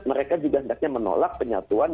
mereka juga hendaknya menolak penyatuan